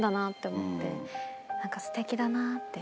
何かすてきだなって。